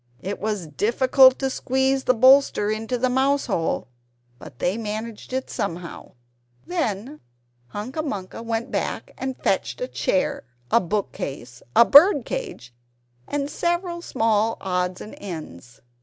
It was difficult to squeeze the bolster into the mouse hole; but they managed it somehow. Then Hunca Munca went back and fetched a chair, a book case, a bird cage, and several small odds and ends.